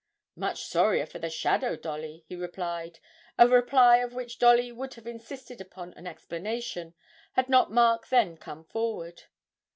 'Much sorrier for the Shadow, Dolly,' he replied, a reply of which Dolly would have insisted upon an explanation had not Mark then come forward.